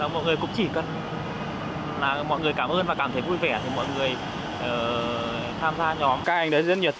mọi người cũng chỉ cần mọi người cảm ơn và cảm thấy vui vẻ thì mọi người tham gia nhóm